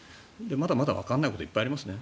まだまだわからないことはいっぱいありますね。